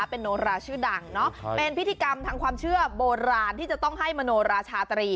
เป็นโนราชื่อดังเป็นพิธีกรรมทางความเชื่อโบราณที่จะต้องให้มโนราชาตรี